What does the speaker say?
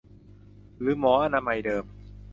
หรือหมออนามัยเดิม